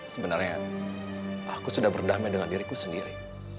sebenarnya aku sudah berdamai dengan diriku sendiri